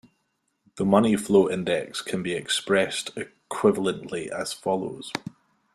The money flow index can be expressed equivalently as follows.